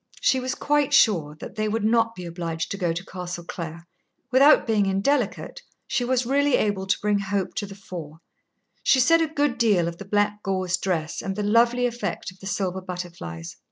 She was quite sure that they would not be obliged to go to Castle Clare. Without being indelicate, she was really able to bring hope to the fore. She said a good deal of the black gauze dress and the lovely effect of the silver butterflies.